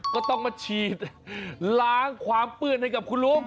ก็ต้องมาฉีดล้างความเปื้อนให้กับคุณลุง